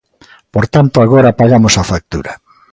Por tanto agora pagamos a factura.